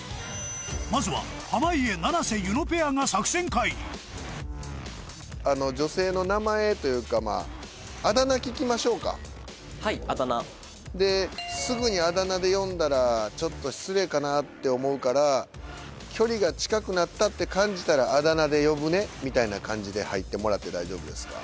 まずは女性の名前というかまあはいあだ名すぐにあだ名で呼んだらちょっと失礼かなって思うから距離が近くなったって感じたらあだ名で呼ぶねみたいな感じで入ってもらって大丈夫ですか？